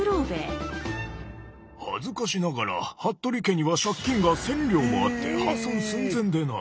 恥ずかしながら服部家には借金が１，０００両もあって破産寸前でな。